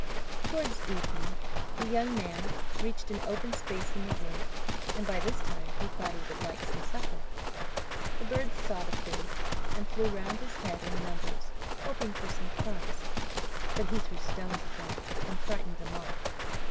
Towards evening the young man reached an open space in the wood, and by this time he thought he would like some supper. The birds saw the food, and flew round his head in numbers hoping for some crumbs, but he threw stones at them, and frightened them off.